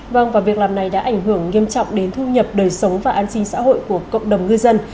vâng và việc làm này đã ảnh hưởng nghiêm trọng đến thu nhập đời sống và an sinh xã hội của cộng đồng ngư dân